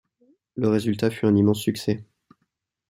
Le résultat fut un immense succès.